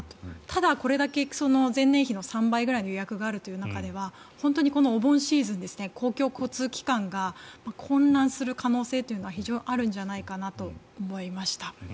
ただ、これだけ前年比の３倍くらいの予約がある中では本当にこのお盆シーズン公共交通機関が混乱する可能性というのは非常にあるんじゃないかなと思いました。